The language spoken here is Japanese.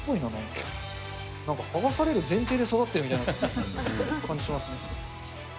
結構剥がされる前提で育ってるみたいな感じしますね。